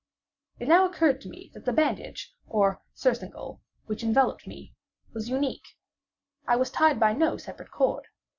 It now occurred to me that the bandage, or surcingle, which enveloped me, was unique. I was tied by no separate cord.